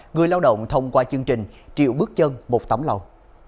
người lao động thông qua chương trình triệu bước chân một tấm lòng